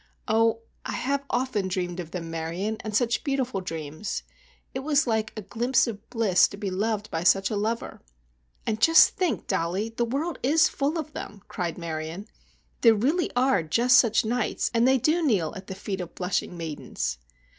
Oh. I have often dreamed of them, Marion, and such beautiful dreams. It was like a glimpse of bliss to be loved by such a lover." "And just think, Dollie, the world is full of them," cried Marion. "There really are just such knights and they do kneel at the feet of blushing maidens."